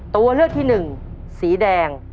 ตัวเลือกที่หนึ่งสีแดง